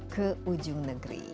ke ujung negeri